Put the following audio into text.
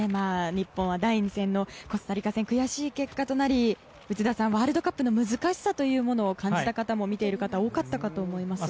日本は、第２戦のコスタリカ戦悔しい結果となり内田さん、ワールドカップの難しさというものを感じた方も、見ている方は多かったかと思います。